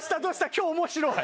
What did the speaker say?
今日面白い！